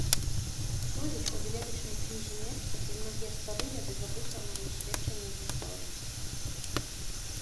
Знойдуць у даведачнай кнізе месца і многія старыя ды забытыя намі сведчанні гісторыі.